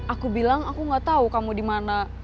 aku bilang aku gak tau kamu dimana